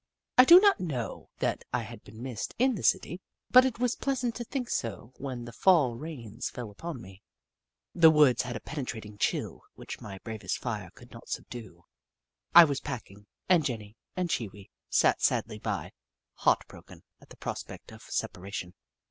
I do not know that I had been missed in the city, but it was pleasant to think so when the Fall rains fell upon me, and the woods had a penetrating chill which my bravest fire could not subdue. I was packing, and Jenny and Chee Wee sat sadly by, heartbroken at the prospect of separation.